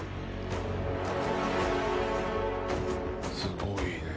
すごいね。